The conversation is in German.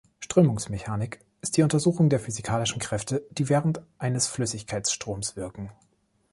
Strömungsmechanik ist die Untersuchung der physikalischen Kräfte, die während eines Flüssigkeitsstroms wirken.